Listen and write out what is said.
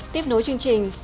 tiếp nối chương trình